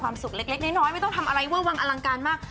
สุขเล็กน้อยไม่ต้องทำอะไรเวอร์วังอลังการมาก